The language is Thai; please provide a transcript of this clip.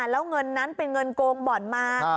แล้วเงินนั้นเป็นเงินโกงบ่อนมา